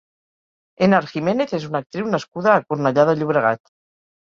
Henar Jiménez és una actriu nascuda a Cornellà de Llobregat.